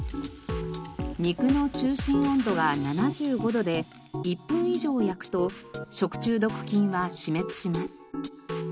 肉の中心温度が７５度で１分以上焼くと食中毒菌は死滅します。